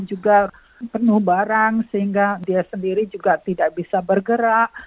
juga penuh barang sehingga dia sendiri juga tidak bisa bergerak